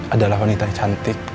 adalah wanita yang cantik